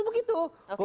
kemudian dia rajin